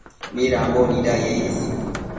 midambo nidaye is